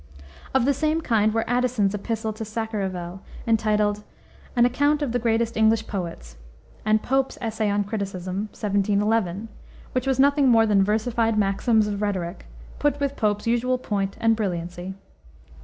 Of the same kind were Addison's epistle to Sacheverel, entitled An Account of the Greatest English Poets, and Pope's Essay on Criticism, 1711, which was nothing more than versified maxims of rhetoric, put with Pope's usual point and brilliancy.